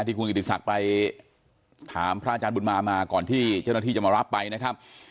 คุณกิติศักดิ์ไปถามพระอาจารย์บุญมามาก่อนที่เจ้าหน้าที่จะมารับไปนะครับ